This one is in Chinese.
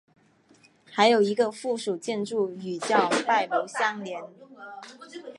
还有一个附属建筑与叫拜楼相连。